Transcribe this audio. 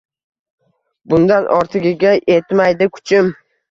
Bundan ortigiga etmaydi kuchim